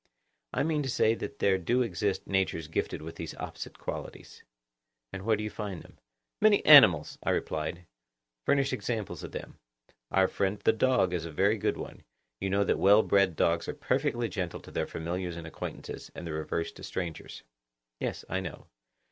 I mean to say that there do exist natures gifted with those opposite qualities. And where do you find them? Many animals, I replied, furnish examples of them; our friend the dog is a very good one: you know that well bred dogs are perfectly gentle to their familiars and acquaintances, and the reverse to strangers. Yes, I know.